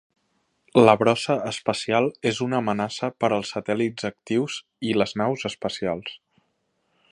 La brossa espacial és una amenaça per als satèl·lits actius i les naus espacials.